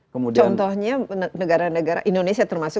contohnya negara negara indonesia termasuk